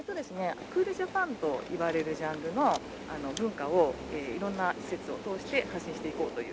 「クールジャパン」といわれるジャンルの文化を色んな施設を通して発信していこうという。